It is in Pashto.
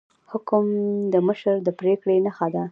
حکم د مشر د پریکړې نښه ده